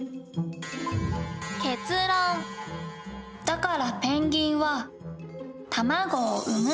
「だからペンギンは卵を産む」。